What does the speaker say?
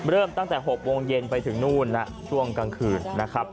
เริ่มตั้งแต่๖วงเย็นไปถึงนู่นช่วงกลางคืน